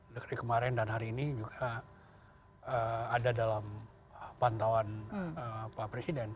dari kemarin dan hari ini juga ada dalam pantauan pak presiden